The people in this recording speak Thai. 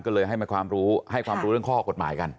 ก็เลยให้มาความรู้ให้ความรู้เรื่องข้อกฎหมายกัน